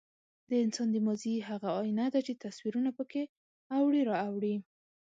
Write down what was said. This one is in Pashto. د انسان د ماضي هغه ایینه ده، چې تصویرونه پکې اوړي را اوړي.